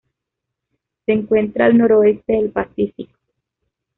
Se encuentra al noroeste del Pacífico.